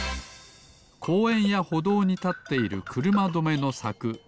こうえんやほどうにたっているくるまどめのさく。